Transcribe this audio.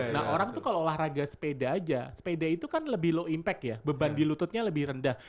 nah orang tuh kalau olahraga sepeda aja sepeda itu kan lebih low impact ya beban di lututnya lebih rendah